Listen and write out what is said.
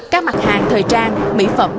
các mặt hàng thời trang mỹ phẩm